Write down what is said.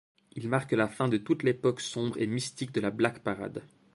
Il marque la fin de toute l'époque sombre et mystique de la Black Parade.